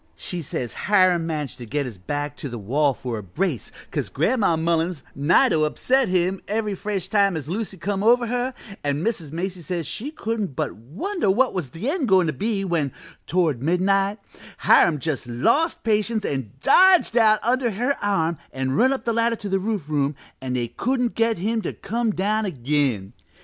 She says Hiram managed to get his back to the wall for a brace 'cause Gran'ma Mullins nigh to upset him every fresh time as Lucy come over her, an' Mrs. Macy says she couldn't but wonder what the end was goin' to be when, toward midnight, Hiram just lost patience and dodged out under her arm and run up the ladder to the roof room an' they couldn't get him to come down again.